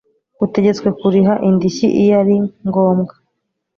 utegetswe kuriha indishyi iyo ari ngombwa